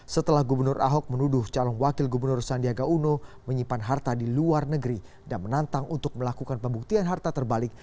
setelah gubernur ahok menuduh calon wakil gubernur sandiaga uno menyimpan harta di luar negeri dan menantang untuk melakukan pembuktian harta terbalik